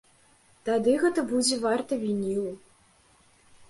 Тады гэта будзе варта вінілу.